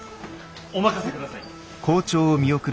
お任せください。